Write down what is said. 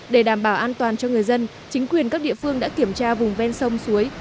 để đảm bảo an toàn cho người dân chính quyền các địa phương đã kiểm tra vùng ven sông suối